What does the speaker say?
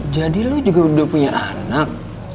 jadi lo juga udah punya anak